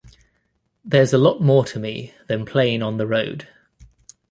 There's a lot more to me than playing on the road.